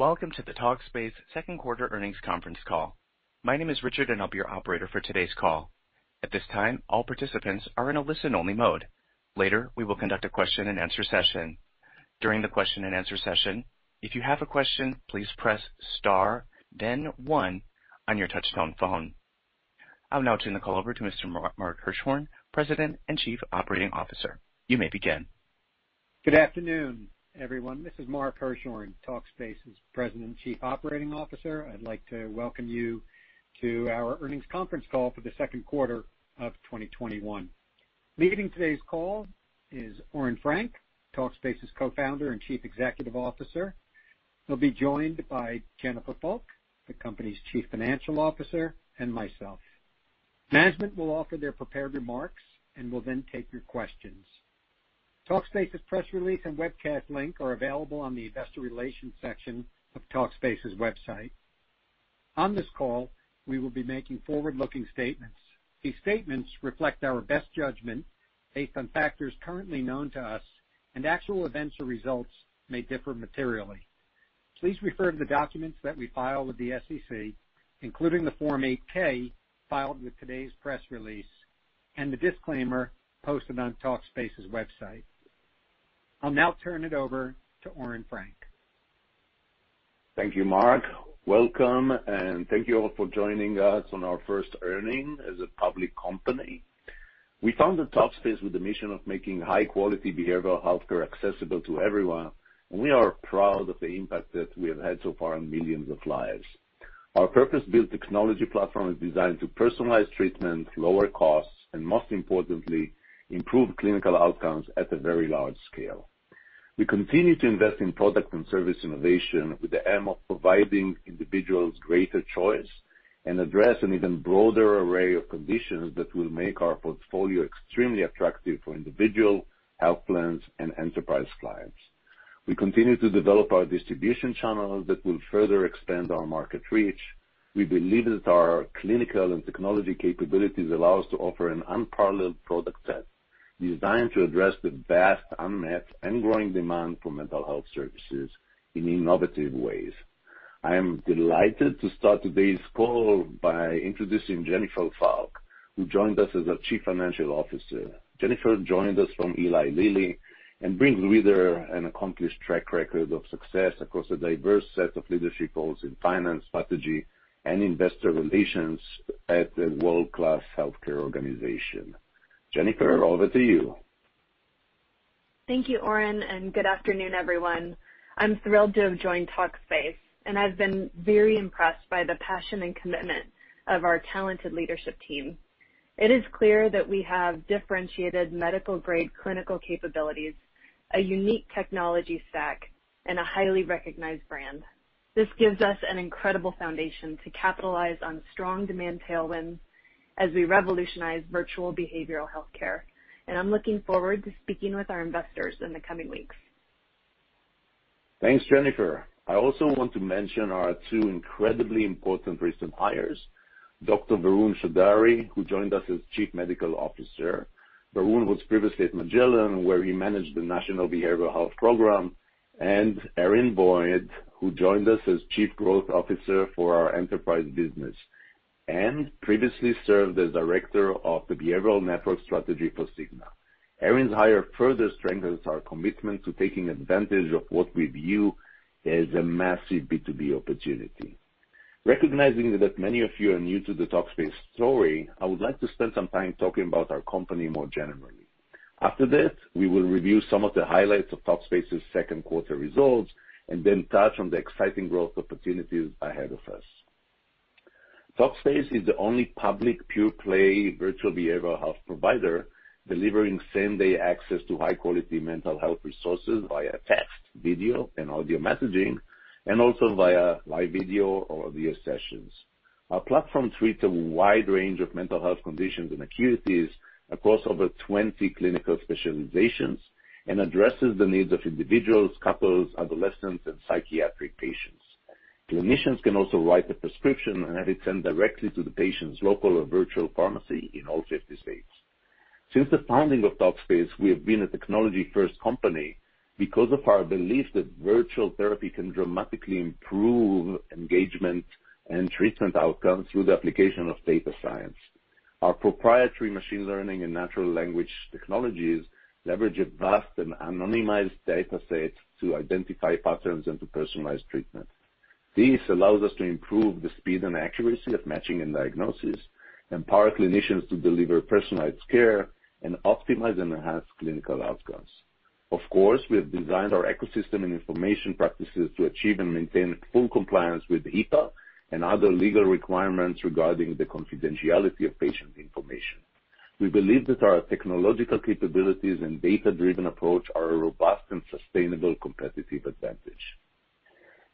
Welcome to the Talkspace second quarter earnings conference call. My name is Richard Close. I'll be your operator for today's call. At this time, all participants are in a listen-only mode. Later, we will conduct a question and answer session. During the question and answer session, if you have a question, please press star then one on your touch-tone phone. I'll now turn the call over to Mr. Mark Hirschhorn, President and Chief Operating Officer. You may begin. Good afternoon, everyone. This is Mark Hirschhorn, Talkspace's President and Chief Operating Officer. I'd like to welcome you to our earnings conference call for the 2nd quarter of 2021. Leading today's call is Oren Frank, Talkspace's Co-founder and Chief Executive Officer, who'll be joined by Jennifer Fulk, the company's Chief Financial Officer, and myself. Management will offer their prepared remarks and will then take your questions. Talkspace's press release and webcast link are available on the Investor Relations section of Talkspace's website. On this call, we will be making forward-looking statements. These statements reflect our best judgment based on factors currently known to us, and actual events or results may differ materially. Please refer to the documents that we file with the SEC, including the Form 8-K filed with today's press release and the disclaimer posted on Talkspace's website. I'll now turn it over to Oren Frank. Thank you, Mark. Welcome, and thank you all for joining us on our first earnings as a public company. We founded Talkspace with the mission of making high-quality behavioral healthcare accessible to everyone, and we are proud of the impact that we have had so far on millions of lives. Our purpose-built technology platform is designed to personalize treatment, lower costs, and most importantly, improve clinical outcomes at a very large scale. We continue to invest in product and service innovation with the aim of providing individuals greater choice and address an even broader array of conditions that will make our portfolio extremely attractive for individual health plans and enterprise clients. We continue to develop our distribution channels that will further expand our market reach. We believe that our clinical and technology capabilities allow us to offer an unparalleled product set designed to address the vast, unmet, and growing demand for mental health services in innovative ways. I am delighted to start today's call by introducing Jennifer Fulk, who joined us as our Chief Financial Officer. Jennifer joined us from Eli Lilly and brings with her an accomplished track record of success across a diverse set of leadership roles in finance, strategy, and investor relations at a world-class healthcare organization. Jennifer Fulk, over to you. Thank you, Oren. Good afternoon, everyone. I'm thrilled to have joined Talkspace, and I've been very impressed by the passion and commitment of our talented leadership team. It is clear that we have differentiated medical-grade clinical capabilities, a unique technology stack, and a highly recognized brand. This gives us an incredible foundation to capitalize on strong demand tailwinds as we revolutionize virtual behavioral healthcare. I'm looking forward to speaking with our investors in the coming weeks. Thanks, Jennifer. I also want to mention our two incredibly important recent hires, Dr. Varun Choudhary, who joined us as Chief Medical Officer. Varun was previously at Magellan, where he managed the National Behavioral Health Program, and Erin Boyd, who joined us as Chief Growth Officer for our enterprise business and previously served as Director of the Behavioral Network Strategy for Cigna. Erin's hire further strengthens our commitment to taking advantage of what we view as a massive Business-to-Business opportunity. Recognizing that many of you are new to the Talkspace story, I would like to spend some time talking about our company more generally. After this, we will review some of the highlights of Talkspace's second quarter results and then touch on the exciting growth opportunities ahead of us. Talkspace is the only public pure-play virtual behavioral health provider delivering same-day access to high-quality mental health resources via text, video, and audio messaging, and also via live video or audio sessions. Our platform treats a wide range of mental health conditions and acuities across over 20 clinical specializations and addresses the needs of individuals, couples, adolescents, and psychiatric patients. Clinicians can also write a prescription and have it sent directly to the patient's local or virtual pharmacy in all 50 states. Since the founding of Talkspace, we have been a technology-first company because of our belief that virtual therapy can dramatically improve engagement and treatment outcomes through the application of data science. Our proprietary machine learning and natural language technologies leverage a vast and anonymized data set to identify patterns and to personalize treatment. This allows us to improve the speed and accuracy of matching and diagnosis, empower clinicians to deliver personalized care, and optimize and enhance clinical outcomes. Of course, we have designed our ecosystem and information practices to achieve and maintain full compliance with HIPAA and other legal requirements regarding the confidentiality of patient information. We believe that our technological capabilities and data-driven approach are a robust and sustainable competitive advantage.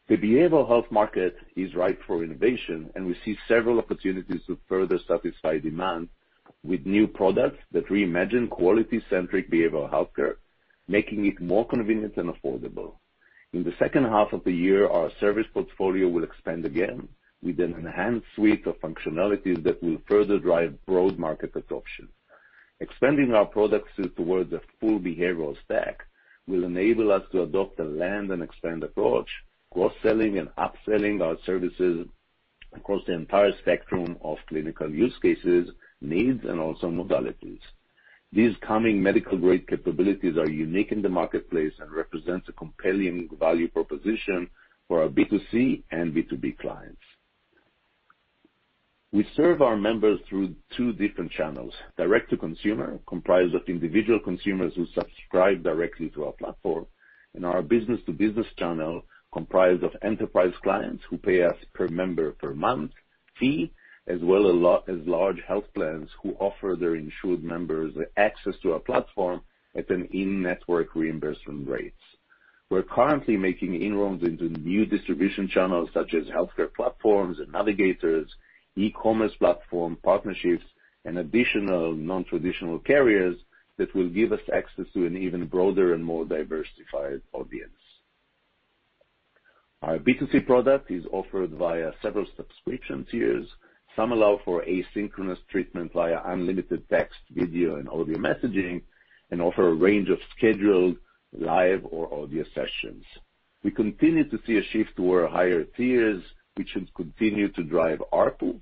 The behavioral health market is ripe for innovation, and we see several opportunities to further satisfy demand with new products that reimagine quality-centric behavioral healthcare, making it more convenient and affordable. In the second half of the year, our service portfolio will expand again with an enhanced suite of functionalities that will further drive broad market adoption. Expanding our product suite towards a full behavioral stack will enable us to adopt a land-and-expand approach, cross-selling and upselling our services across the entire spectrum of clinical use cases, needs, and also modalities. These coming medical-grade capabilities are unique in the marketplace and represent a compelling value proposition for our Business-to-Consumer and B2B clients. We serve our members through two different channels. Direct-to-Consumer, comprised of individual consumers who subscribe directly to our platform, and our Business-to-Business channel, comprised of enterprise clients who pay us per member per month fee, as well as large health plans who offer their insured members access to our platform at an in-network reimbursement rates. We're currently making inroads into new distribution channels such as healthcare platforms and navigators, e-commerce platform partnerships, and additional non-traditional carriers that will give us access to an even broader and more diversified audience. Our B2C product is offered via several subscription tiers. Some allow for asynchronous treatment via unlimited text, video, and audio messaging and offer a range of scheduled live or audio sessions. We continue to see a shift toward higher tiers, which should continue to drive Average Revenue Per User.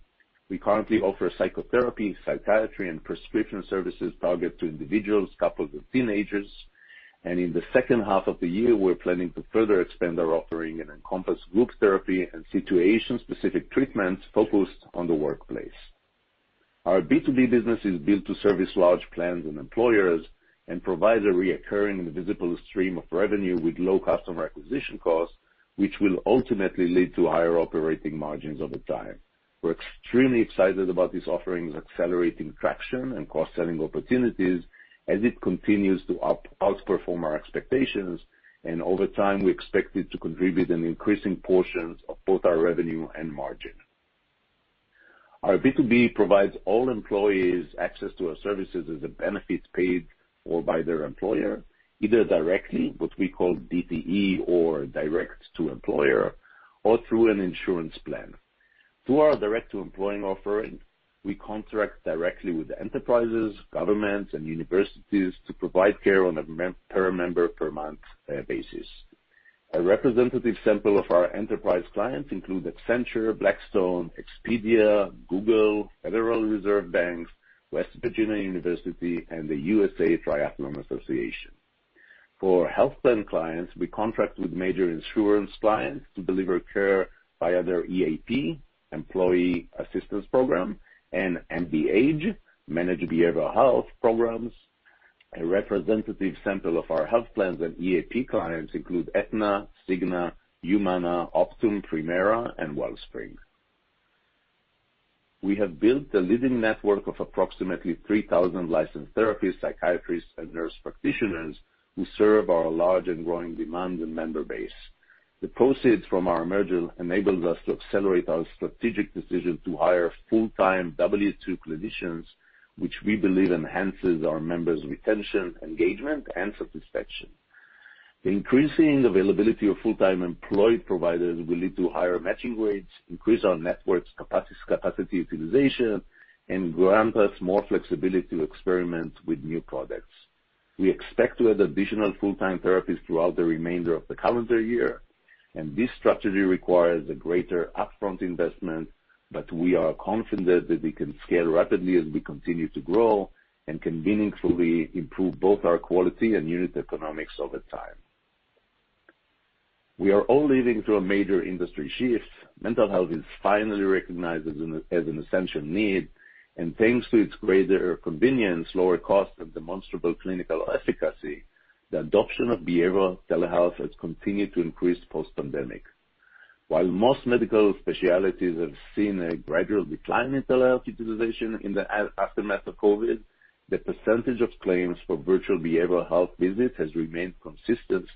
We currently offer psychotherapy, psychiatry, and prescription services targeted to individuals, couples, and teenagers. In the second half of the year, we're planning to further expand our offering and encompass group therapy and situation-specific treatments focused on the workplace. Our B2B business is built to service large plans and employers and provide a recurring and visible stream of revenue with low customer acquisition costs, which will ultimately lead to higher operating margins over time. We're extremely excited about these offerings accelerating traction and cross-selling opportunities as it continues to outperform our expectations. Over time, we expect it to contribute an increasing portion of both our revenue and margin. Our B2B provides all employees access to our services as a benefit paid for by their employer, either directly, what we call DTE or Direct-to-Employer, or through an insurance plan. Through our Direct-to-Employer offering, we contract directly with enterprises, governments, and universities to provide care on a per member per month basis. A representative sample of our enterprise clients include Accenture, Blackstone, Expedia, Google, Federal Reserve Banks, West Virginia University, and the USA Triathlon Association. For health plan clients, we contract with major insurance clients to deliver care via their EAP, Employee Assistance Program, and MBH, Managed Behavioral Health programs. A representative sample of our health plans and EAP clients include Aetna, Cigna, Humana, Optum, Premera, and Wellspring. We have built a leading network of approximately 3,000 licensed therapists, psychiatrists, and nurse practitioners who serve our large and growing demand and member base. The proceeds from our merger enables us to accelerate our strategic decision to hire full-time W-2 clinicians, which we believe enhances our members' retention, engagement, and satisfaction. The increasing availability of full-time employed providers will lead to higher matching rates, increase our network's capacity utilization, and grant us more flexibility to experiment with new products. We expect to add additional full-time therapists throughout the remainder of the calendar year, and this strategy requires a greater upfront investment, but we are confident that we can scale rapidly as we continue to grow and can meaningfully improve both our quality and unit economics over time. We are all living through a major industry shift until its finally recognized as an essential need, and thanks to its greater convenience, lower cost, and demonstrable clinical efficacy, the adoption of behavioral telehealth has continued to increase post-pandemic. While most medical specialties have seen a gradual decline in telehealth utilization in the aftermath of COVID, the percentage of claims for virtual behavioral health visits has remained consistent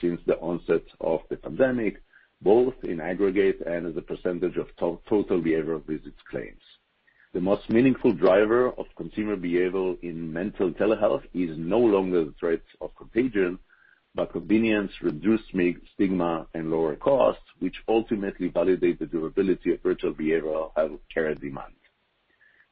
since the onset of the pandemic, both in aggregate and as a percentage of total behavioral visits claims. The most meaningful driver of consumer behavior in mental telehealth is no longer the threat of contagion, but convenience, reduced stigma, and lower cost, which ultimately validate the durability of virtual behavioral health care and demand.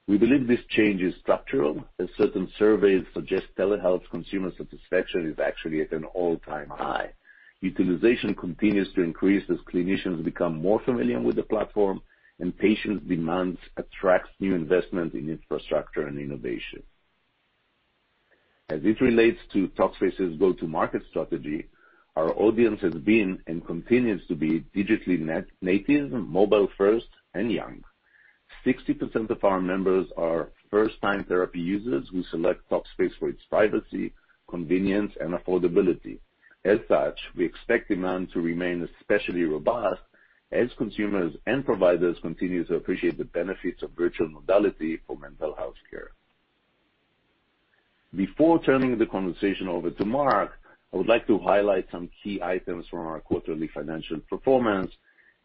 We believe this change is structural, as certain surveys suggest telehealth consumer satisfaction is actually at an-all time high. Utilization continues to increase as clinicians become more familiar with the platform, and patient demand attracts new investment in infrastructure and innovation. As it relates to Talkspace's go-to-market strategy, our audience has been and continues to be digitally native, mobile first, and young. 60% of our members are first-time therapy users who select Talkspace for its privacy, convenience, and affordability. As such, we expect demand to remain especially robust as consumers and providers continue to appreciate the benefits of virtual modality for mental health care. Before turning the conversation over to Mark Hirschhorn, I would like to highlight some key items from our quarterly financial performance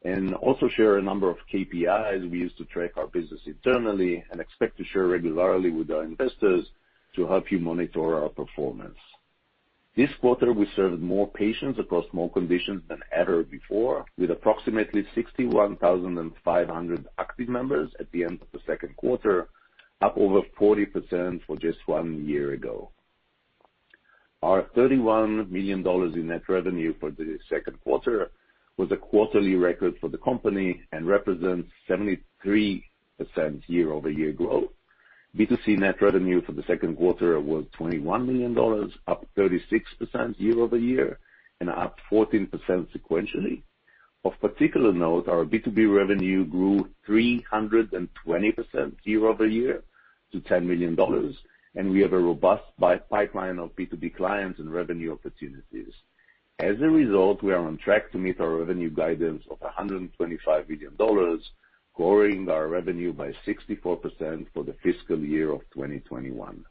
and also share a number of Key Performance Indicators we use to track our business internally and expect to share regularly with our investors to help you monitor our performance. This quarter, we served more patients across more conditions than ever before, with approximately 61,500 active members at the end of the second quarter, up over 40% from just one year ago. Our $31 million in net revenue for the second quarter was a quarterly record for the company and represents 73% year-over-year growth. B2C net revenue for the second quarter was $21 million, up 36% year-over-year and up 14% sequentially. Of particular note, our B2B revenue grew 320% year-over-year to $10 million. We have a robust pipeline of B2B clients and revenue opportunities. As a result, we are on track to meet our revenue guidance of $125 million, growing our revenue by 64% for the fiscal year of 2021.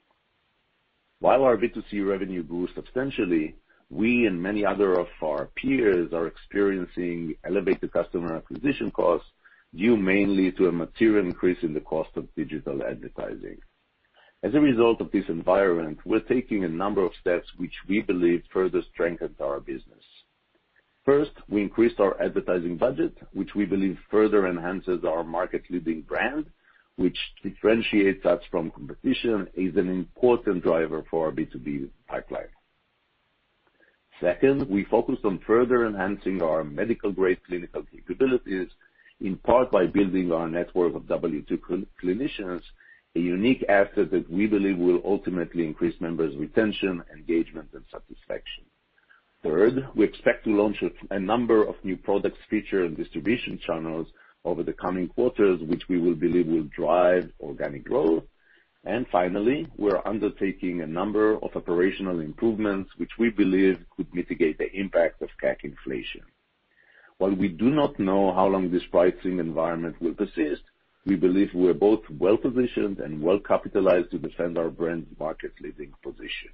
While our B2C revenue grew substantially, we and many other of our peers are experiencing elevated customer acquisition costs due mainly to a material increase in the cost of digital advertising. As a result of this environment, we're taking a number of steps which we believe further strengthens our business. First, we increased our advertising budget, which we believe further enhances our market-leading brand, which differentiates us from competition, is an important driver for our B2B pipeline. Second, we focused on further enhancing our medical-grade clinical capabilities, in part by building our network of W-2 clinicians, a unique asset that we believe will ultimately increase members' retention, engagement, and satisfaction. Third, we expect to launch a number of new products, features, and distribution channels over the coming quarters, which we believe will drive organic growth. Finally, we're undertaking a number of operational improvements which we believe could mitigate the impact of Customer Acquisition Cost inflation. While we do not know how long this pricing environment will persist, we believe we're both well-positioned and well-capitalized to defend our brand's market-leading position.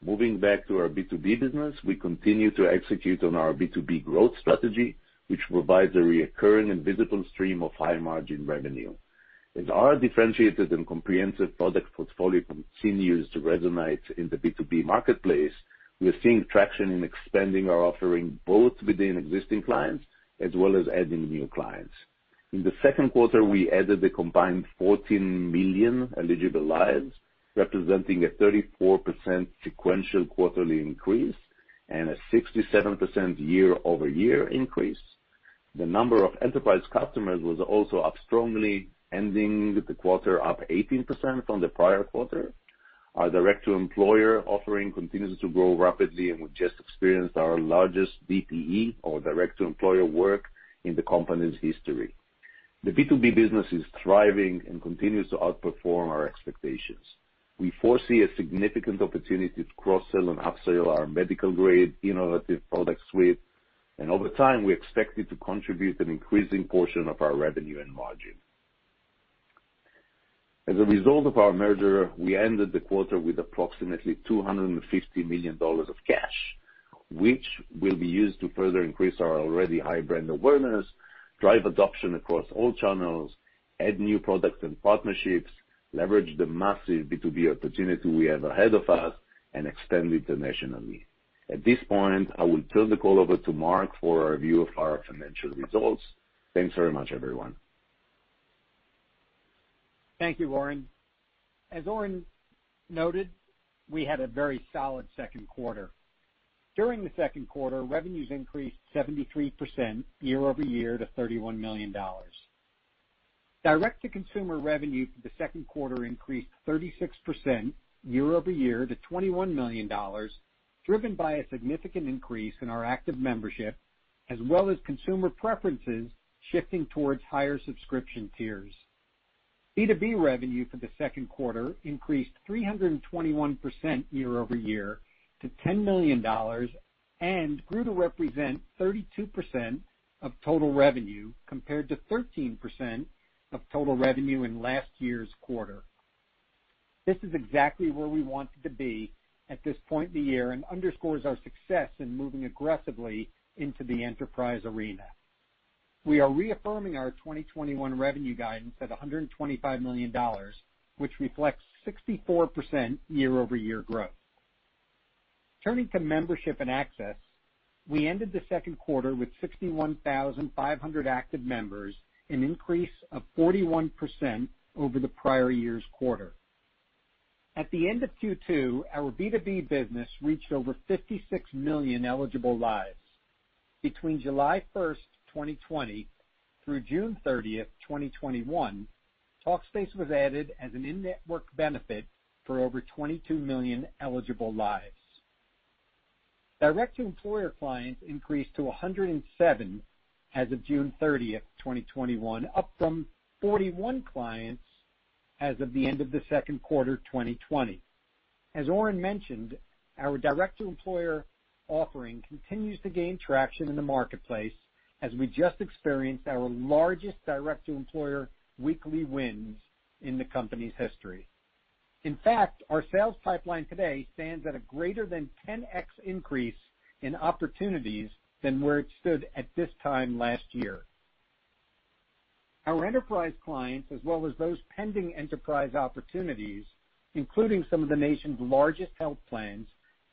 Moving back to our B2B business, we continue to execute on our B2B growth strategy, which provides a recurring and visible stream of high-margin revenue. As our differentiated and comprehensive product portfolio continues to resonate in the B2B marketplace, we are seeing traction in expanding our offering both within existing clients as well as adding new clients. In the second quarter, we added a combined 14 million eligible lives, representing a 34% sequential quarterly increase and a 67% year-over-year increase. The number of enterprise customers was also up strongly, ending the quarter up 18% from the prior quarter. Our or Direct-to-Employer offering continues to grow rapidly, and we just experienced our largest DTE or Direct-to-Employer work in the company's history. The B2B business is thriving and continues to outperform our expectations. We foresee a significant opportunity to cross-sell and upsell our medical-grade innovative product suite, and over time, we expect it to contribute an increasing portion of our revenue and margin. As a result of our merger, we ended the quarter with approximately $250 million of cash, which will be used to further increase our already high brand awareness, drive adoption across all channels, add new products and partnerships, leverage the massive B2B opportunity we have ahead of us, and extend internationally. At this point, I will turn the call over to Mark for a review of our financial results. Thanks very much, everyone. Thank you, Oren. As Oren noted, we had a very solid second quarter. During the second quarter, revenues increased 73% year-over-year to $31 million. Direct-to-Consumer revenue for the second quarter increased 36% year-over-year to $21 million, driven by a significant increase in our active membership, as well as consumer preferences shifting towards higher subscription tiers. B2B revenue for the second quarter increased 321% year-over-year to $10 million and grew to represent 32% of total revenue, compared to 13% of total revenue in last year's quarter. This is exactly where we wanted to be at this point in the year and underscores our success in moving aggressively into the enterprise arena. We are reaffirming our 2021 revenue guidance at $125 million, which reflects 64% year-over-year growth. Turning to membership and access, we ended the second quarter with 61,500 active members, an increase of 41% over the prior year's quarter. At the end of Q2, our B2B business reached over 56 million eligible lives. Between July 1st, 2020, through June 30th, 2021, Talkspace was added as an in-network benefit for over 22 million eligible lives. Direct-to-Employer clients increased to 107 as of June 30th, 2021, up from 41 clients as of the end of the second quarter 2020. As Oren mentioned, our Direct-to-Employer offering continues to gain traction in the marketplace as we just experienced our largest Direct-to-Employer weekly wins in the company's history. In fact, our sales pipeline today stands at a greater than 10x increase in opportunities than where it stood at this time last year. Our enterprise clients, as well as those pending enterprise opportunities, including some of the nation's largest health plans,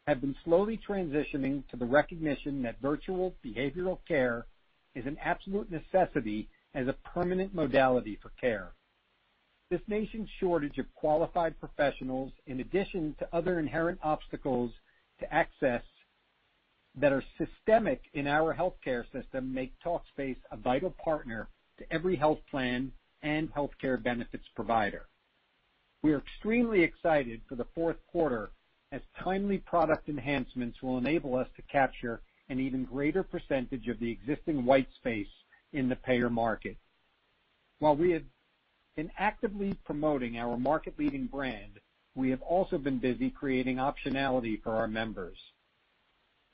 have been slowly transitioning to the recognition that virtual behavioral care is an absolute necessity as a permanent modality for care. This nation's shortage of qualified professionals, in addition to other inherent obstacles to access that are systemic in our healthcare system, make Talkspace a vital partner to every health plan and healthcare benefits provider. We are extremely excited for the fourth quarter, as timely product enhancements will enable us to capture an even greater percentage of the existing white space in the payer market. While we have been actively promoting our market-leading brand, we have also been busy creating optionality for our members.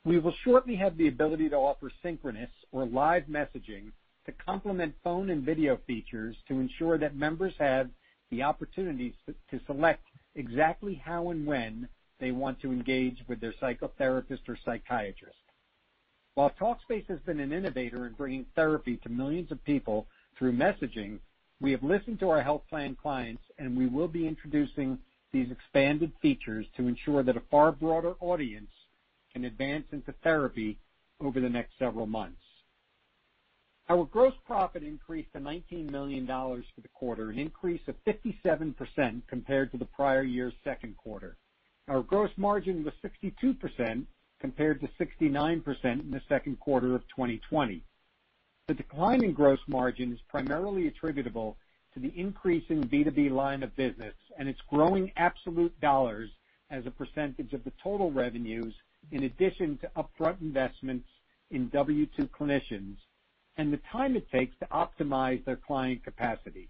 We will shortly have the ability to offer synchronous or live messaging to complement phone and video features to ensure that members have the opportunity to select exactly how and when they want to engage with their psychotherapist or psychiatrist. While Talkspace has been an innovator in bringing therapy to millions of people through messaging, we have listened to our health plan clients, and we will be introducing these expanded features to ensure that a far broader audience can advance into therapy over the next several months. Our gross profit increased to $19 million for the quarter, an increase of 57% compared to the prior year's second quarter. Our gross margin was 62% compared to 69% in the second quarter of 2020. The decline in gross margin is primarily attributable to the increase in B2B line of business and its growing absolute dollars as a percentage of the total revenues, in addition to upfront investments in W2 clinicians and the time it takes to optimize their client capacity.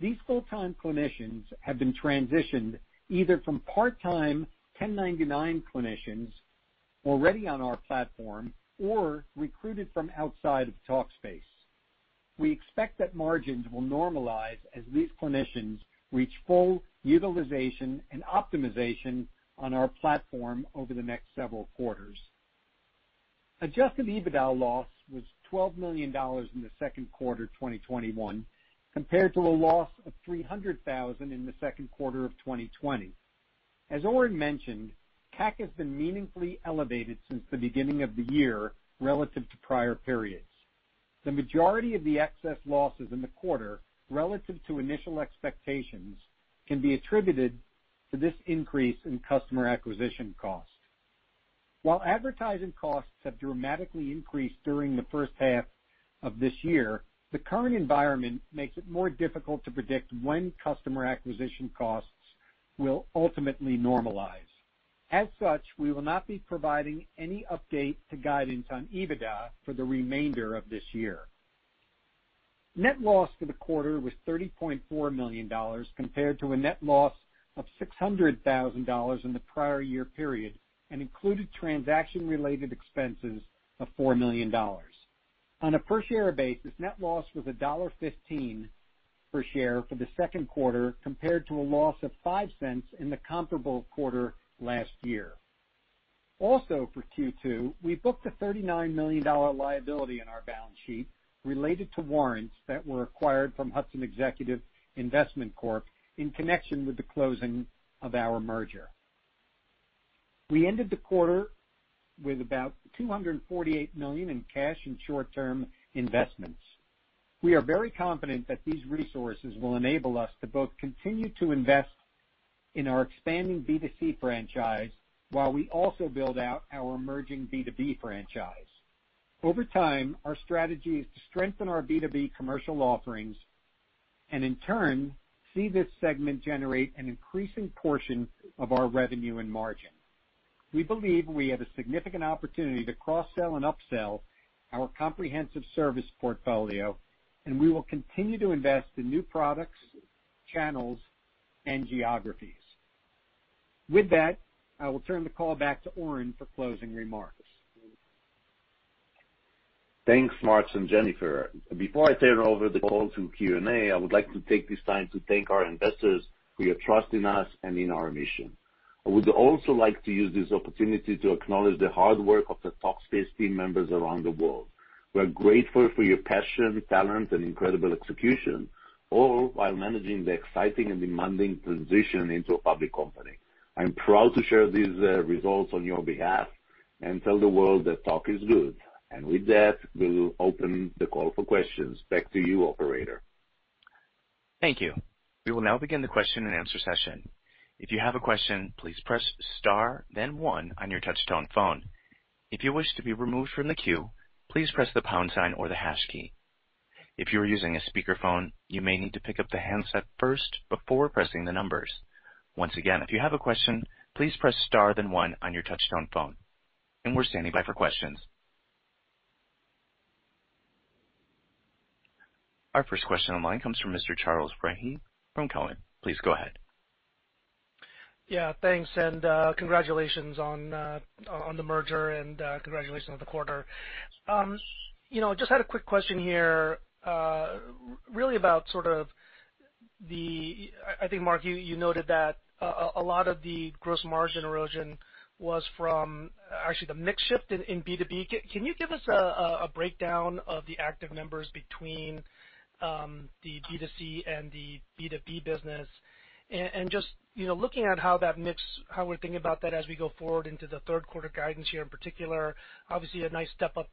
These full-time clinicians have been transitioned either from part-time 1099 clinicians already on our platform or recruited from outside of Talkspace. We expect that margins will normalize as these clinicians reach full utilization and optimization on our platform over the next several quarters. Adjusted EBITDA loss was $12 million in the second quarter 2021, compared to a loss of $300,000 in the second quarter of 2020. Oren mentioned, CAC has been meaningfully elevated since the beginning of the year relative to prior periods. The majority of the excess losses in the quarter relative to initial expectations can be attributed to this increase in customer acquisition cost. While advertising costs have dramatically increased during the first half of this year, the current environment makes it more difficult to predict when customer acquisition costs will ultimately normalize. We will not be providing any update to guidance on EBITDA for the remainder of this year. Net loss for the quarter was $30.4 million compared to a net loss of $600,000 in the prior year period and included transaction-related expenses of $4 million. On a per-share basis, net loss was $1.15 per share for the second quarter compared to a loss of $0.05 in the comparable quarter last year. Also, for Q2, we booked a $39 million liability on our balance sheet related to warrants that were acquired from Hudson Executive Investment Corporation in connection with the closing of our merger. We ended the quarter with about $248 million in cash and short-term investments. We are very confident that these resources will enable us to both continue to invest in our expanding B2C franchise while we also build out our emerging B2B franchise. Over time, our strategy is to strengthen our B2B commercial offerings and in turn, see this segment generate an increasing portion of our revenue and margin. We believe we have a significant opportunity to cross-sell and upsell our comprehensive service portfolio, and we will continue to invest in new products, channels, and geographies. With that, I will turn the call back to Oren for closing remarks. Thanks, Mark Hirschhorn and Jennifer Fulk. Before I turn over the call to Q&A, I would like to take this time to thank our investors for your trust in us and in our mission. I would also like to use this opportunity to acknowledge the hard work of the Talkspace team members around the world. We're grateful for your passion, talent, and incredible execution, all while managing the exciting and demanding transition into a public company. I'm proud to share these results on your behalf and tell the world that talk is good. With that, we'll open the call for questions. Back to you, operator. Thank you. We will now begin the question and answer session. If you have a question, please star then one on your touch tone phone. If you wish to be remove from the queue, please press the pound sign or the hash key. If you're using a speaker phone, you may need to pick up the handset first before pressing the numbers. Once again if you have a question, please press the star then one on your touch tone phone. We're standing by for questions. Our first question on the line comes from Mr. Charles Rhyee from TD Cowen. Please go ahead. Yeah. Thanks, and congratulations on the merger, and congratulations on the quarter. Just had a quick question here, really about sort of. I think, Mark, you noted that a lot of the gross margin erosion was from actually the mix shift in B2B. Can you give us a breakdown of the active members between the B2C and the B2B business? Just looking at how that mix, how we're thinking about that as we go forward into the third quarter guidance here in particular, obviously a nice step up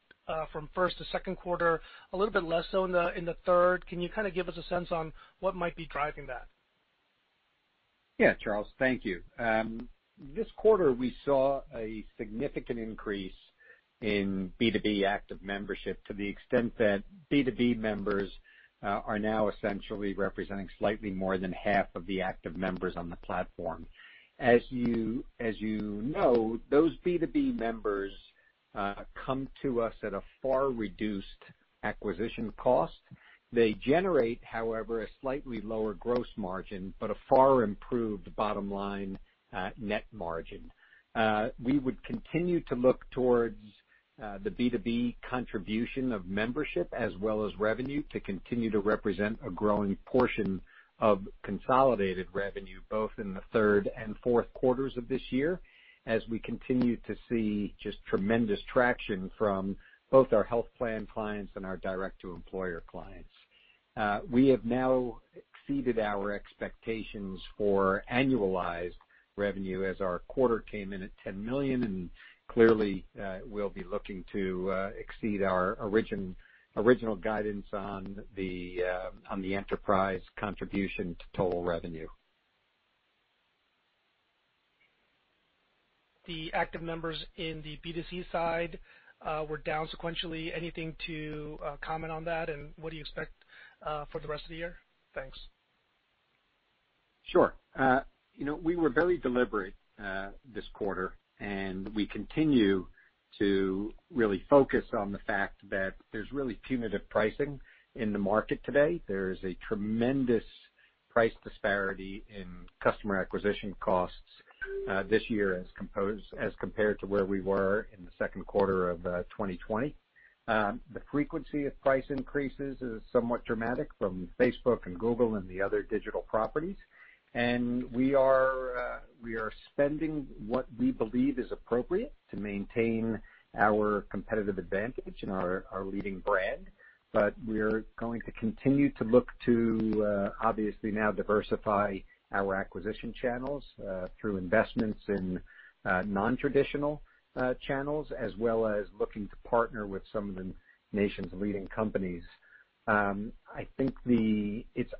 from first to second quarter, a little bit less so in the third. Can you give us a sense on what might be driving that? Yeah, Charles. Thank you. This quarter, we saw a significant increase in B2B active membership to the extent that B2B members are now essentially representing slightly more than half of the active members on the platform. As you know, those B2B members come to us at a far reduced acquisition cost. They generate, however, a slightly lower gross margin, but a far improved bottom-line net margin. We would continue to look towards the B2B contribution of membership as well as revenue to continue to represent a growing portion of consolidated revenue, both in the third and fourth quarters of this year, as we continue to see just tremendous traction from both our health plan clients and our Direct-to-Employer clients. We have now exceeded our expectations for annualized revenue as our quarter came in at $10 million, and clearly, we'll be looking to exceed our original guidance on the enterprise contribution to total revenue. The active members in the B2C side were down sequentially. Anything to comment on that, and what do you expect for the rest of the year? Thanks. Sure. We were very deliberate this quarter, and we continue to really focus on the fact that there's really punitive pricing in the market today. There is a tremendous price disparity in customer acquisition costs this year as compared to where we were in the second quarter of 2020. The frequency of price increases is somewhat dramatic from Facebook and Google and the other digital properties. We are spending what we believe is appropriate to maintain our competitive advantage and our leading brand. We're going to continue to look to, obviously now, diversify our acquisition channels through investments in non-traditional channels, as well as looking to partner with some of the nation's leading companies. I think it's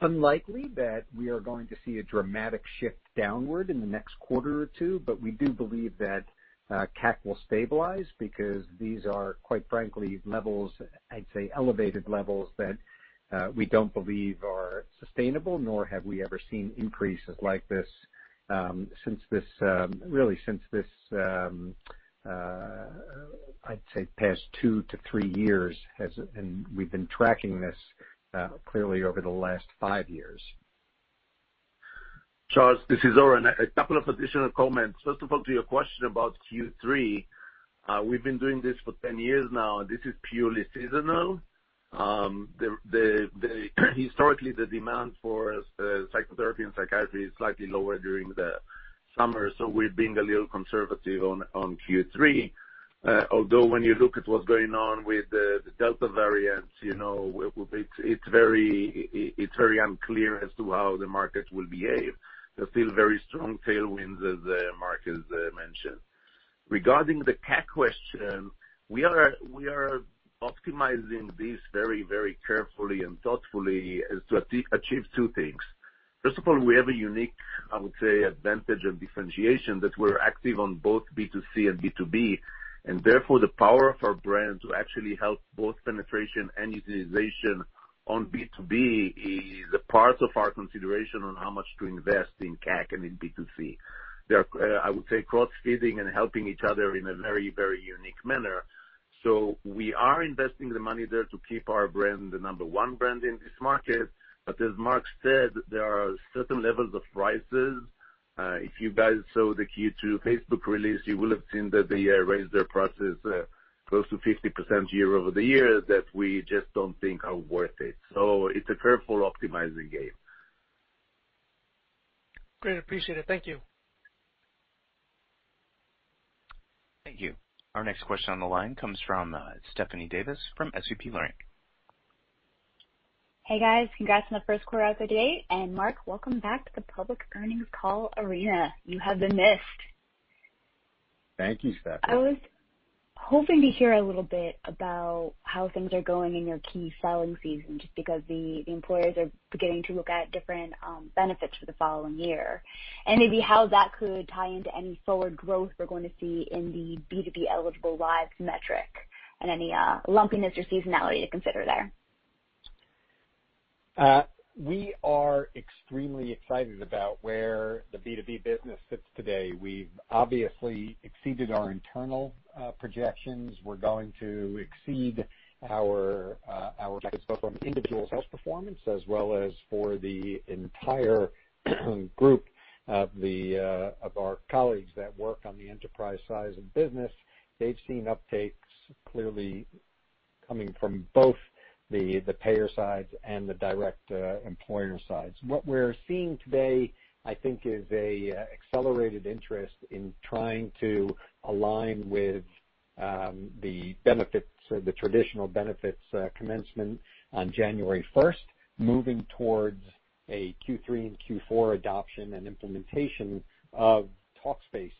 unlikely that we are going to see a dramatic shift downward in the next quarter or two, we do believe that CAC will stabilize because these are, quite frankly, levels, I'd say elevated levels that we don't believe are sustainable, nor have we ever seen increases like this, really since this, I'd say, past two to three years, and we've been tracking this clearly over the last five years. Charles, this is Oren. A couple of additional comments. First of all, to your question about Q3, we've been doing this for 10 years now, and this is purely seasonal. Historically, the demand for psychotherapy and psychiatry is slightly lower during the summer, so we're being a little conservative on Q3. When you look at what's going on with the Delta variant, it's very unclear as to how the market will behave. There are still very strong tailwinds, as Mark has mentioned. Regarding the CAC question, we are optimizing this very carefully and thoughtfully to achieve two things. First of all, we have a unique, I would say, advantage and differentiation that we're active on both B2C and B2B, and therefore, the power of our brand to actually help both penetration and utilization on B2B is a part of our consideration on how much to invest in CAC and in B2C. They're, I would say, cross-feeding and helping each other in a very unique manner. We are investing the money there to keep our brand the number one brand in this market. As Mark said, there are certain levels of prices. If you guys saw the Q2 Facebook release, you will have seen that they raised their prices close to 50% year-over-year that we just don't think are worth it. It's a careful optimizing game. Great. Appreciate it. Thank you. Thank you. Our next question on the line comes from Stephanie Davis from Leerink Partners. Hey, guys. Congrats on the first quarter update. Mark, welcome back to the public earnings call arena. You have been missed. Thank you, Stephanie. I was hoping to hear a little bit about how things are going in your key selling season, just because the employers are beginning to look at different benefits for the following year, and maybe how that could tie into any forward growth we're going to see in the B2B eligible lives metric and any lumpiness or seasonality to consider there? We are extremely excited about where the B2B business sits today. We've obviously exceeded our internal projections. We're going to exceed our individual health performance, as well as for the entire group of our colleagues that work on the enterprise side and business. They've seen uptakes clearly coming from both the payer sides and the Direct-to-Employer sides. What we're seeing today, I think, is an accelerated interest in trying to align with the traditional benefits commencement on January 1st, moving towards a Q3 and Q4 adoption and implementation of Talkspace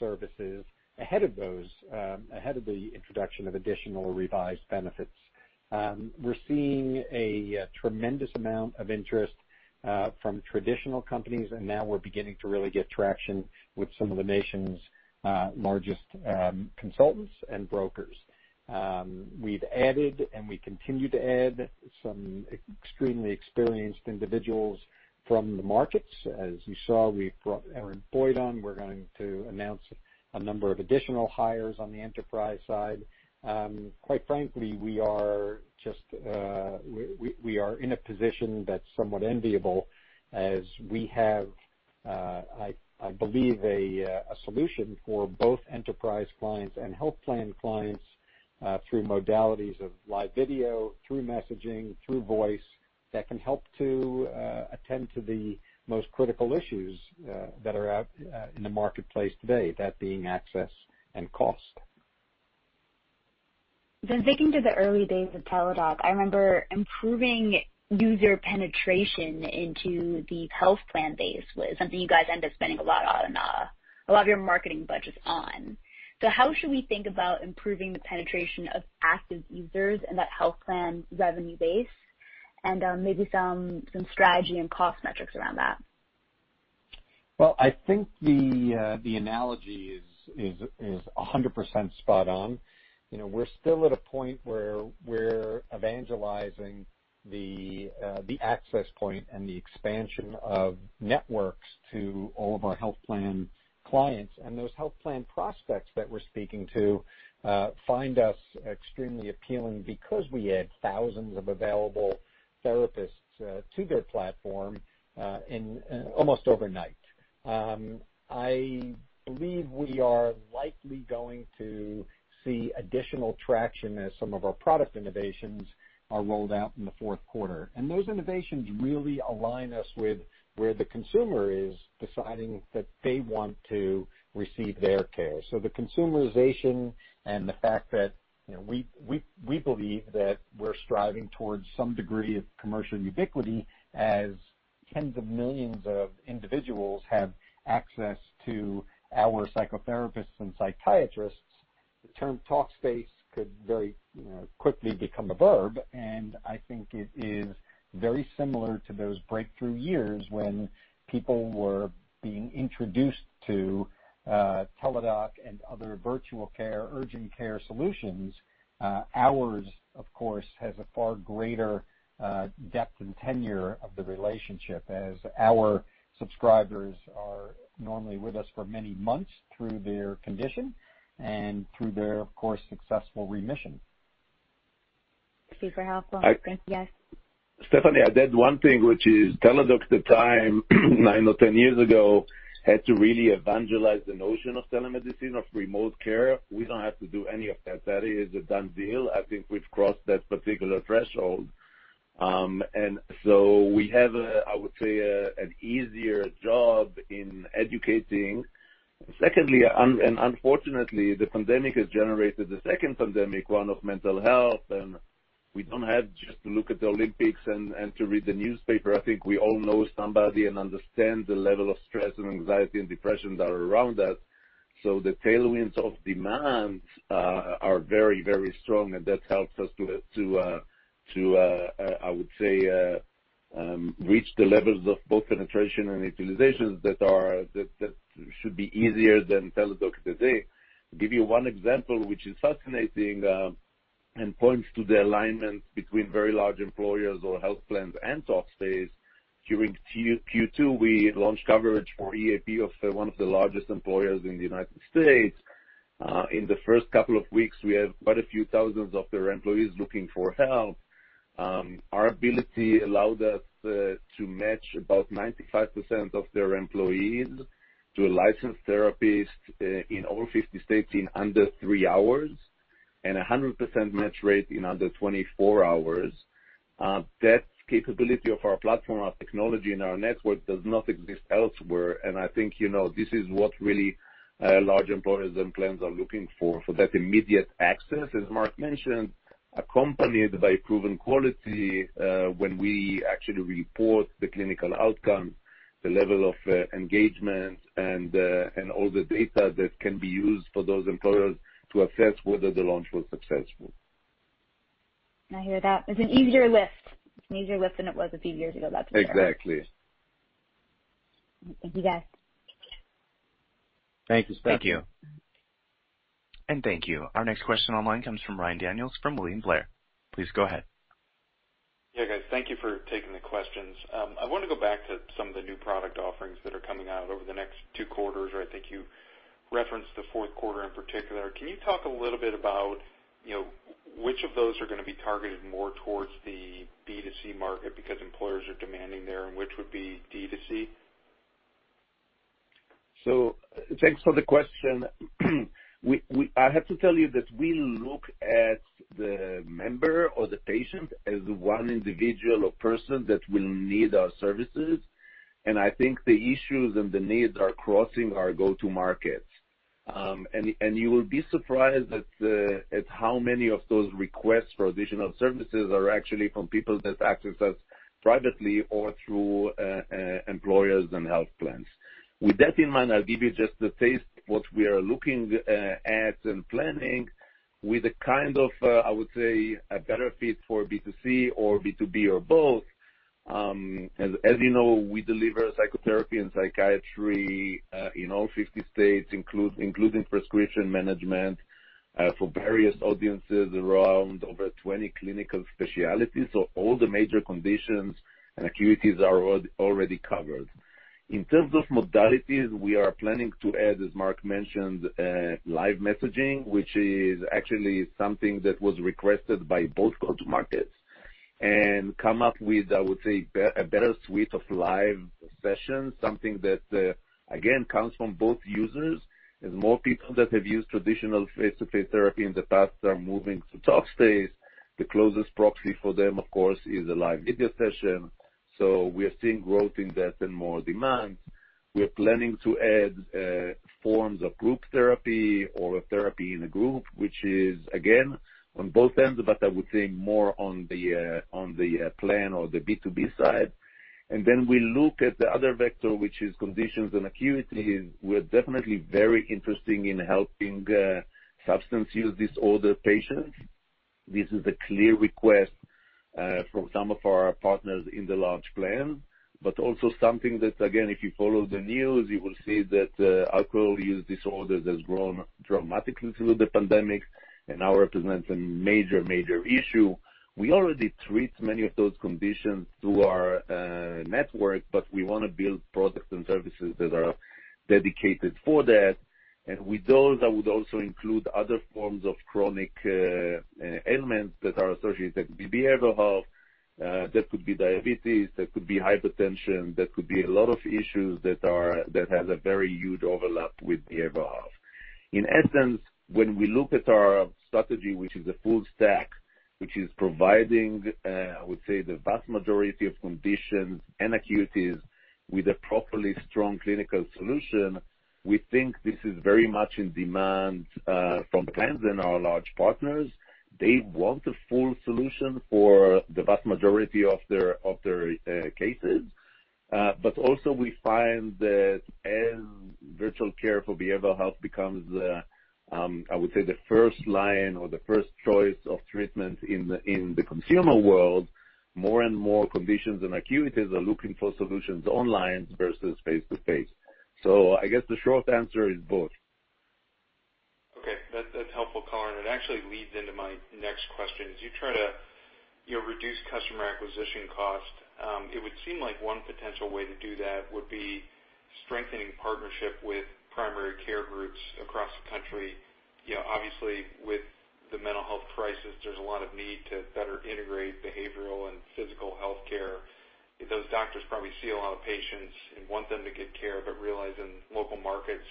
services ahead of the introduction of additional revised benefits. We're seeing a tremendous amount of interest from traditional companies. Now we're beginning to really get traction with some of the nation's largest consultants and brokers. We've added, and we continue to add, some extremely experienced individuals from the markets. As you saw, we brought Erin Boyd on. We're going to announce a number of additional hires on the enterprise side. Quite frankly, we are in a position that's somewhat enviable as we have, I believe, a solution for both enterprise clients and health plan clients, through modalities of live video, through messaging, through voice, that can help to attend to the most critical issues that are out in the marketplace today, that being access and cost. Digging to the early days of Teladoc, I remember improving user penetration into the health plan base was something you guys ended up spending a lot of your marketing budgets on. How should we think about improving the penetration of active users in that health plan revenue base and maybe some strategy and cost metrics around that? Well, I think the analogy is 100% spot on. We're still at a point where we're evangelizing the access point and the expansion of networks to all of our health plan clients. Those health plan prospects that we're speaking to find us extremely appealing because we add thousands of available therapists to their platform almost overnight. I believe we are likely going to see additional traction as some of our product innovations are rolled out in the fourth quarter. Those innovations really align us with where the consumer is deciding that they want to receive their care. The consumerization and the fact that we believe that we're striving towards some degree of commercial ubiquity as tens of millions of individuals have access to our psychotherapists and psychiatrists. The term Talkspace could very quickly become a verb, and I think it is very similar to those breakthrough years when people were being introduced to Teladoc and other virtual care, urgent care solutions. Ours, of course, has a far greater depth and tenure of the relationship, as our subscribers are normally with us for many months through their condition and through their, of course, successful remission. Super helpful. Thank you, guys. Stephanie, I'd add one thing, which is Teladoc at the time, nine or 10 years ago, had to really evangelize the notion of telemedicine, of remote care. We don't have to do any of that. That is a done deal. I think we've crossed that particular threshold. We have a, I would say, an easier job in educating. Secondly, and unfortunately, the pandemic has generated the second pandemic, one of mental health, and we don't have just to look at the Olympics and to read the newspaper. I think we all know somebody and understand the level of stress and anxiety and depression that are around us. The tailwinds of demand are very, very strong, and that helps us to, I would say, reach the levels of both penetration and utilizations that should be easier than Teladoc today. To give you one example, which is fascinating and points to the alignment between very large employers or health plans and Talkspace. During Q2, we launched coverage for EAP of one of the largest employers in the United States. In the first couple of weeks, we have quite a few thousands of their employees looking for help. Our ability allowed us to match about 95% of their employees to a licensed therapist in all 50 states in under three hours, and 100% match rate in under 24 hours. That capability of our platform, our technology, and our network does not exist elsewhere, and I think this is what really large employers and plans are looking for that immediate access, as Mark mentioned, accompanied by proven quality, when we actually report the clinical outcome, the level of engagement, and all the data that can be used for those employers to assess whether the launch was successful. I hear that. It's an easier lift than it was a few years ago. That's fair. Exactly. Thank you, guys. Thank you, Steph. Thank you. Thank you. Our next question online comes from Ryan Daniels from William Blair. Please go ahead. Yeah, guys. Thank you for taking the questions. I want to go back to some of the new product offerings that are coming out over the next two quarters. I think you referenced the fourth quarter in particular. Can you talk a little bit about which of those are going to be targeted more towards the B2C market because employers are demanding there, and which would be D2C? Thanks for the question. I have to tell you that we look at the member or the patient as one individual or person that will need our services, and I think the issues and the needs are crossing our go-to markets. You will be surprised at how many of those requests for additional services are actually from people that access us privately or through employers and health plans. With that in mind, I'll give you just a taste what we are looking at and planning with a kind of, I would say, a better fit for B2C or B2B or both. As you know, we deliver psychotherapy and psychiatry in all 50 states, including prescription management for various audiences around over 20 clinical specialties. All the major conditions and acuities are already covered. In terms of modalities, we are planning to add, as Mark mentioned, live messaging, which is actually something that was requested by both go-to markets, and come up with, I would say, a better suite of live sessions, something that, again, comes from both users. As more people that have used traditional face-to-face therapy in the past are moving to Talkspace, the closest proxy for them, of course, is a live video session. We are seeing growth in that and more demand. We are planning to add forms of group therapy or therapy in a group, which is, again, on both ends, but I would say more on the plan or the B2B side. We look at the other vector, which is conditions and acuities. We're definitely very interested in helping substance use disorder patients. This is a clear request from some of our partners in the large plan, also something that, again, if you follow the news, you will see that alcohol use disorders has grown dramatically through the pandemic and now represents a major issue. We already treat many of those conditions through our network, we want to build products and services that are dedicated for that. With those, I would also include other forms of chronic ailments that are associated with behavioral health. That could be diabetes, that could be hypertension, that could be a lot of issues that has a very huge overlap with behavioral health. In essence, when we look at our strategy, which is a full stack, which is providing, I would say, the vast majority of conditions and acuities with a properly strong clinical solution, we think this is very much in demand from plans and our large partners. They want a full solution for the vast majority of their cases. Also we find that as virtual care for behavioral health becomes, I would say, the first line or the first choice of treatment in the consumer world, more and more conditions and acuities are looking for solutions online versus face-to-face. I guess the short answer is both. Okay. That's helpful, Oren. It actually leads into my next question. As you try to reduce customer acquisition cost, it would seem like one potential way to do that would be strengthening partnership with primary care groups across the country. Obviously, with the mental health crisis, there's a lot of need to better integrate behavioral and physical healthcare. Those doctors probably see a lot of patients and want them to get care, but realize in local markets,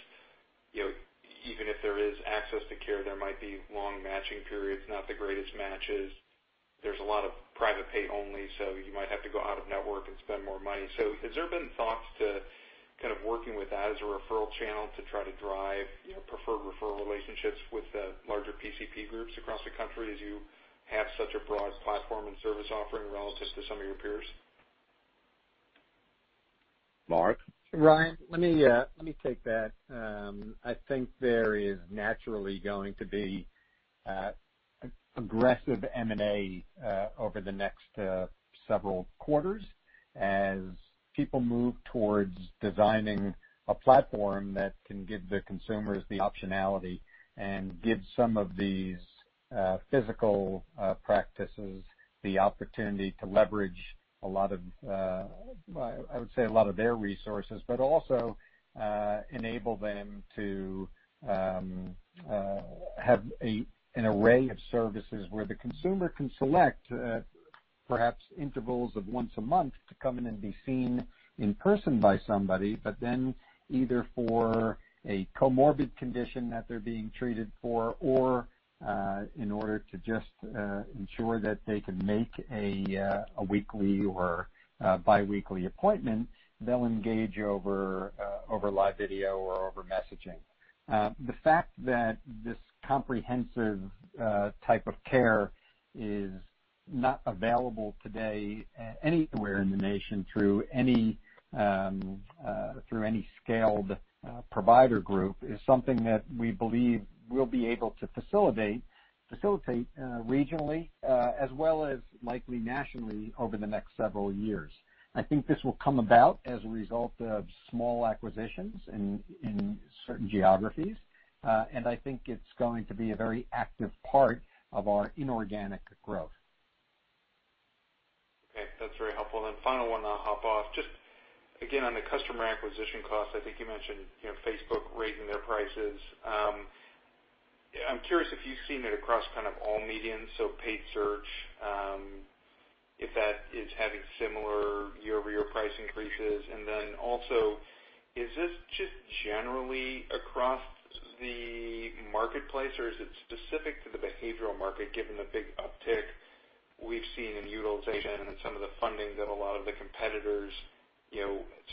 even if there is access to care, there might be long matching periods, not the greatest matches. There's a lot of private pay only, so you might have to go out of network and spend more money. Has there been thoughts to working with that as a referral channel to try to drive preferred referral relationships with larger Primary Care Provider groups across the country, as you have such a broad platform and service offering relative to some of your peers? Mark? Ryan, let me take that. I think there is naturally going to be aggressive M&A over the next several quarters as people move towards designing a platform that can give the consumers the optionality and give some of these physical practices the opportunity to leverage, I would say, a lot of their resources, but also enable them to have an array of services where the consumer can select perhaps intervals of once a month to come in and be seen in person by somebody. Either for a comorbid condition that they're being treated for or in order to just ensure that they can make a weekly or biweekly appointment, they'll engage over live video or over messaging. The fact that this comprehensive type of care is not available today anywhere in the nation through any scaled provider group is something that we believe we'll be able to facilitate regionally as well as likely nationally over the next several years. I think this will come about as a result of small acquisitions in certain geographies, and I think it's going to be a very active part of our inorganic growth. Okay. That's very helpful. Final one and I'll hop off. Just again, on the customer acquisition cost, I think you mentioned Facebook raising their prices. I'm curious if you've seen it across kind of all mediums, so paid search, if that is having similar year-over-year price increases. Also, is this just generally across the marketplace, or is it specific to the behavioral market, given the big uptick we've seen in utilization and some of the funding that a lot of the competitors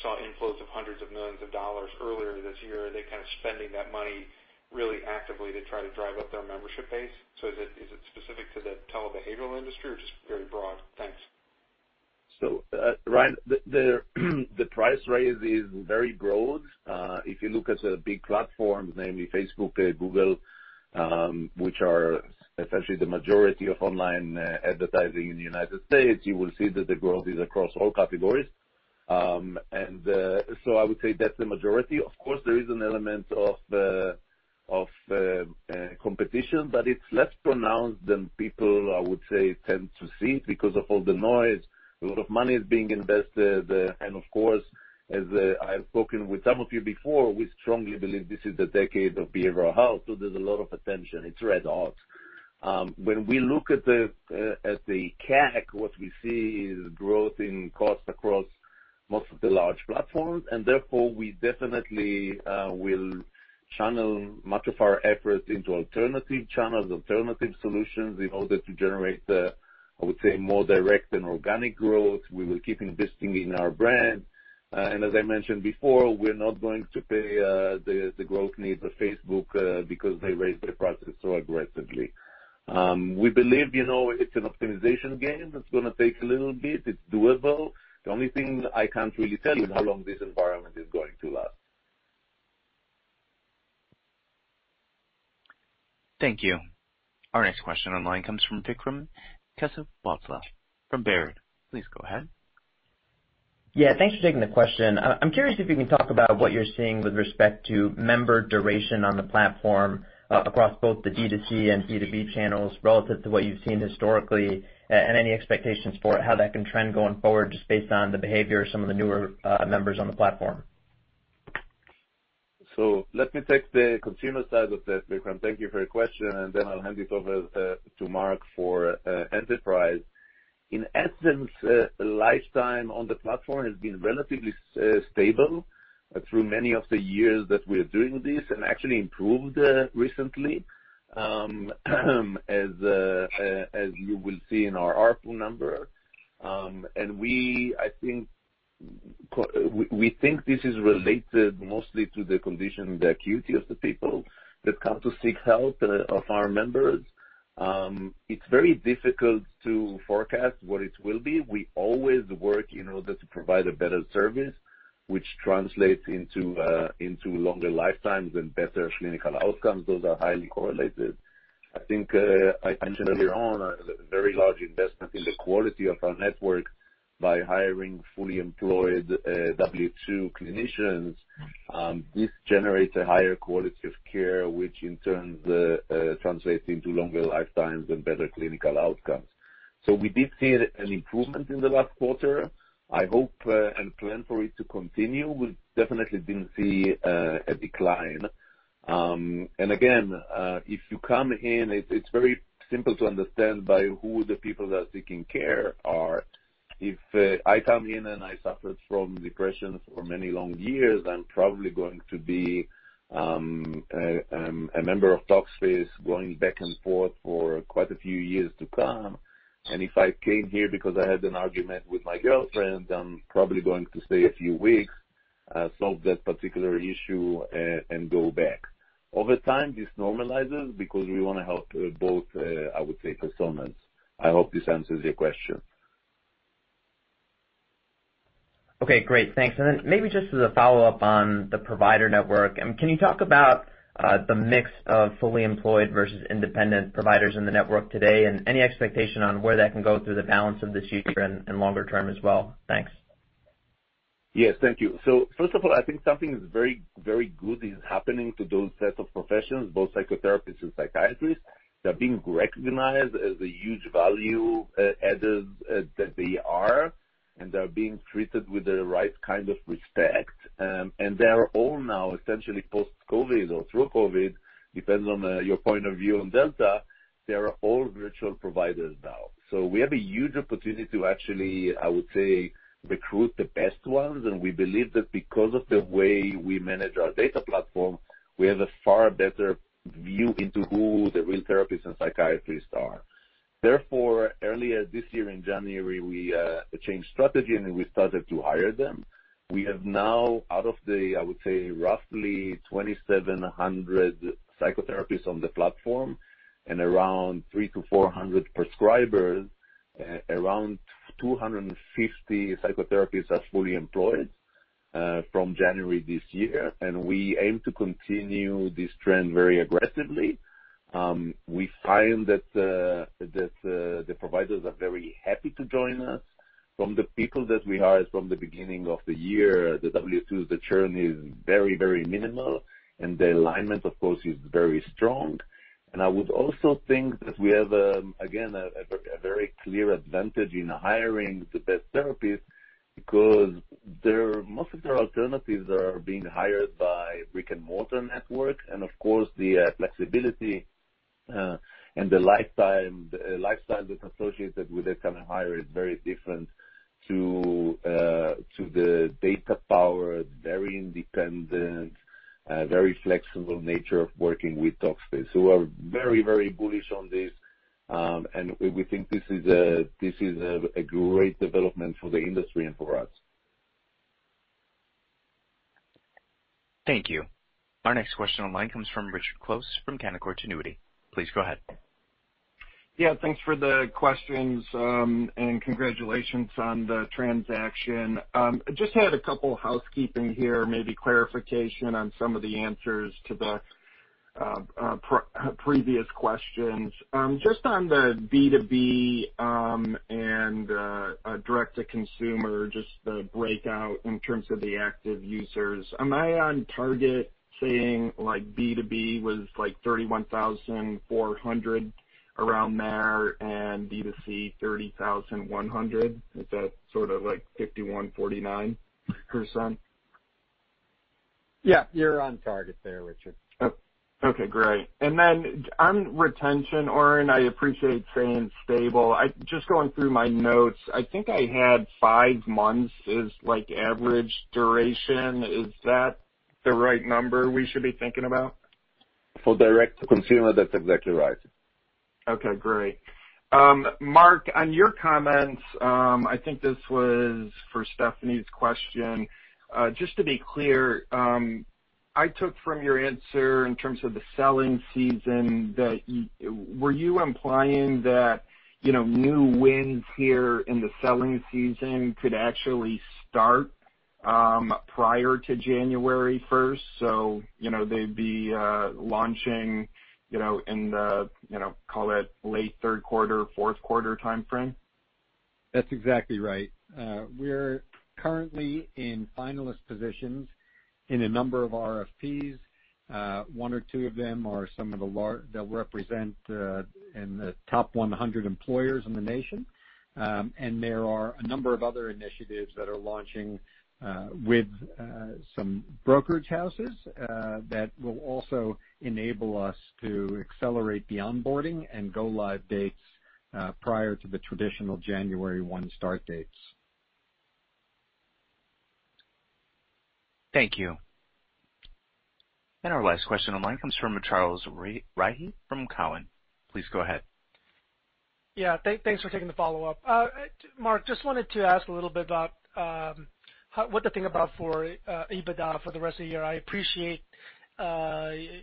saw inflows of hundreds of millions of dollars earlier this year? Are they kind of spending that money really actively to try to drive up their membership base? Is it specific to the telebehavioral industry or just very broad? Thanks. Ryan, the price raise is very broad. If you look at the big platforms, namely Facebook, Google, which are essentially the majority of online advertising in the U.S., you will see that the growth is across all categories. I would say that's the majority. Of course, there is an element of competition, but it's less pronounced than people, I would say, tend to see because of all the noise. A lot of money is being invested. Of course, as I've spoken with some of you before, we strongly believe this is the decade of behavioral health. There's a lot of attention. It's red hot. When we look at the CAC, what we see is growth in cost across most of the large platforms, and therefore we definitely will channel much of our efforts into alternative channels, alternative solutions in order to generate the, I would say, more direct and organic growth. We will keep investing in our brand. As I mentioned before, we're not going to pay the growth needs of Facebook because they raised their prices so aggressively. We believe it's an optimization game that's going to take a little bit. It's doable. The only thing I can't really tell you is how long this environment is going to last. Thank you. Our next question online comes from Vikram Kesavabhotla from Baird. Please go ahead. Yeah, thanks for taking the question. I'm curious if you can talk about what you're seeing with respect to member duration on the platform across both the D2C and B2B channels relative to what you've seen historically, and any expectations for how that can trend going forward, just based on the behavior of some of the newer members on the platform. Let me take the consumer side of that, Vikram. Thank you for your question, and then I'll hand it over to Mark for enterprise. In essence, lifetime on the platform has been relatively stable through many of the years that we're doing this, and actually improved recently, as you will see in our ARPU number. We think this is related mostly to the condition, the acuity of the people that come to seek help of our members. It's very difficult to forecast what it will be. We always work in order to provide a better service, which translates into longer lifetimes and better clinical outcomes. Those are highly correlated. I think I mentioned earlier on a very large investment in the quality of our network by hiring fully employed W-2 clinicians. This generates a higher quality of care, which in turn translates into longer lifetimes and better clinical outcomes. We did see an improvement in the last quarter. I hope and plan for it to continue. We definitely didn't see a decline. Again, if you come in, it's very simple to understand by who the people that are seeking care are. If I come in and I suffered from depression for many long years, I'm probably going to be a member of Talkspace going back and forth for quite a few years to come. If I came here because I had an argument with my girlfriend, I'm probably going to stay a few weeks, solve that particular issue, and go back. Over time, this normalizes because we want to help both, I would say, personas. I hope this answers your question. Okay, great. Thanks. Then maybe just as a follow-up on the provider network, can you talk about the mix of fully employed versus independent providers in the network today, and any expectation on where that can go through the balance of this year and longer term as well? Thanks. Yes. Thank you. First of all, I think something very good is happening to those sets of professions, both psychotherapists and psychiatrists. They're being recognized as the huge value added that they are, and they're being treated with the right kind of respect. They're all now essentially post-COVID or through COVID, depends on your point of view on Delta. They are all virtual providers now. We have a huge opportunity to actually, I would say, recruit the best ones. We believe that because of the way we manage our data platform, we have a far better view into who the real therapists and psychiatrists are. Therefore, earlier this year in January, we changed strategy, and we started to hire them. We have now, out of the, I would say, roughly 2,700 psychotherapists on the platform and around 300-400 prescribers, around 250 psychotherapists are fully employed from January this year. We aim to continue this trend very aggressively. We find that the providers are very happy to join us. From the people that we hired from the beginning of the year, the W-2, the churn is very minimal, and the alignment, of course, is very strong. I would also think that we have, again, a very clear advantage in hiring the best therapists because most of their alternatives are being hired by brick-and-mortar networks. Of course, the flexibility and the lifestyle that's associated with a kind of hire is very different to the data power, very independent, very flexible nature of working with Talkspace. We're very bullish on this, and we think this is a great development for the industry and for us. Thank you. Our next question online comes from Richard Close from Canaccord Genuity. Please go ahead. Yeah, thanks for the questions, and congratulations on the transaction. Just had a couple housekeeping here, maybe clarification on some of the answers to the previous questions. Just on the B2B and Direct-to-Consumer, just the breakout in terms of the active users. Am I on target saying B2B was 31,400 around there and B2C 30,100? Is that sort of like 51%/49%? Yeah, you're on target there, Richard. Oh, okay, great. On retention, Oren, I appreciate saying stable. Just going through my notes, I think I had five months is average duration. Is that the right number we should be thinking about? For Direct-to-Consumer, that's exactly right. Okay, great. Mark, on your comments, I think this was for Stephanie's question. Just to be clear, I took from your answer in terms of the selling season. Were you implying that new wins here in the selling season could actually start prior to January 1st, so they'd be launching in the, call it, late third quarter, fourth quarter timeframe? That's exactly right. We're currently in finalist positions in a number of RFPs. One or two of them, they'll represent in the top 100 employers in the nation. There are a number of other initiatives that are launching with some brokerage houses that will also enable us to accelerate the onboarding and go-live dates prior to the traditional January one start dates. Thank you. Our last question online comes from Charles Rhyee from Cowen. Please go ahead. Yeah, thanks for taking the follow-up. Mark, just wanted to ask a little bit about what to think about for EBITDA for the rest of the year. I appreciate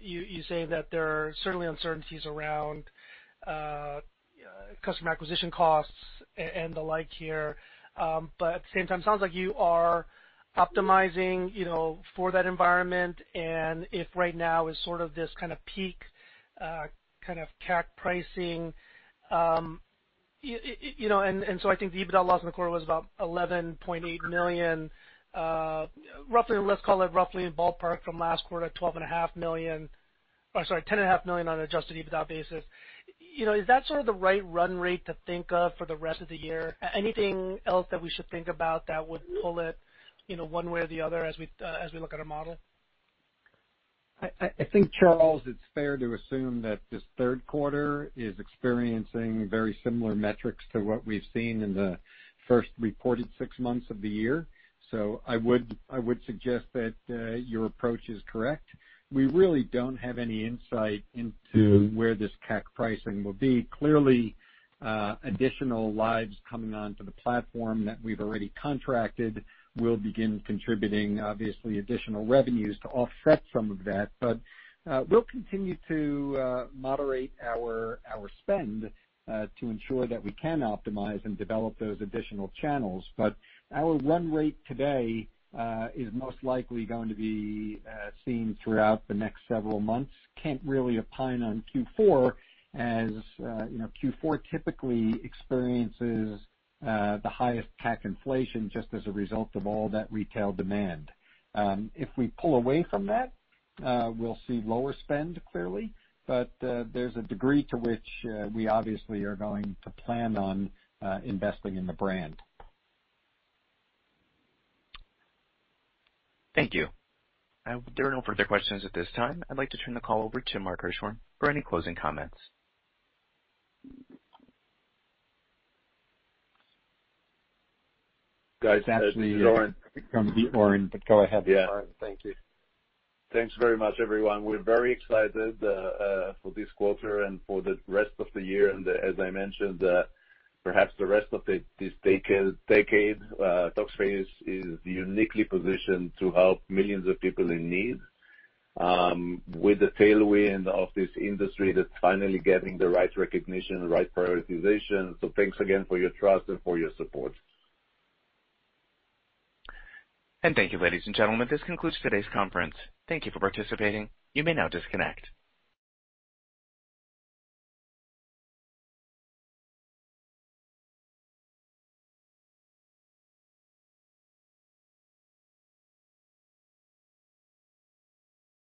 you saying that there are certainly uncertainties around customer acquisition costs and the like here. At the same time, it sounds like you are optimizing for that environment and if right now is sort of this kind of peak kind of CAC pricing. I think the EBITDA loss in the quarter was about $11.8 million. Let's call it roughly a ballpark from last quarter, $10.5 million on an adjusted EBITDA basis. Is that sort of the right run rate to think of for the rest of the year? Anything else that we should think about that would pull it one way or the other as we look at our model? I think, Charles, it's fair to assume that this third quarter is experiencing very similar metrics to what we've seen in the first reported six months of the year. I would suggest that your approach is correct. We really don't have any insight into where this CAC pricing will be. Clearly, additional lives coming onto the platform that we've already contracted will begin contributing, obviously, additional revenues to offset some of that. We'll continue to moderate our spend to ensure that we can optimize and develop those additional channels. Our run rate today is most likely going to be seen throughout the next several months. Can't really opine on Q4, as Q4 typically experiences the highest CAC inflation just as a result of all that retail demand. If we pull away from that, we'll see lower spend, clearly. There's a degree to which we obviously are going to plan on investing in the brand. Thank you. There are no further questions at this time. I'd like to turn the call over to Mark Hirschhorn for any closing comments. Guys, [audio ditortion]. From Oren, but go ahead. Yeah. Thank you. Thanks very much, everyone. We're very excited for this quarter and for the rest of the year. As I mentioned, perhaps the rest of this decade, Talkspace is uniquely positioned to help millions of people in need with the tailwind of this industry that's finally getting the right recognition, right prioritization. Thanks again for your trust and for your support. Thank you, ladies and gentlemen. This concludes today's conference. Thank you for participating. You may now disconnect.